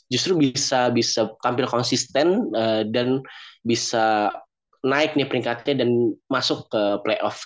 justru bisa tampil konsisten dan bisa naik nih peringkatnya dan masuk ke playoff